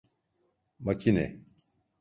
Makine…